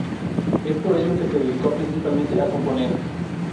Es por ello que se dedicó principalmente a componer.